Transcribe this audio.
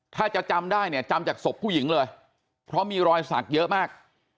ถ้าจะจำได้เนี่ยจำจากศพผู้หญิงเลยเพราะมีรอยสักเยอะมาก